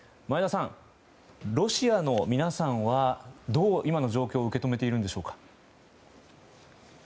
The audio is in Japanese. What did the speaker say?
前田さん、ロシアの皆さんはどう今の状況を受け止めているんでしょうか。